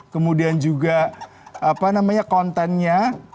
kemudian juga apa namanya kontennya